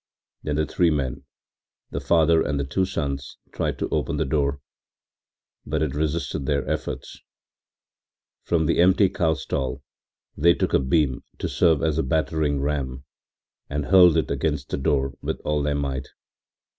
Then the three men, the father and the two sons, tried to open the door, but it resisted their efforts. From the empty cow stall they took a beam to serve as a battering ram and hurled it against the door with all their might.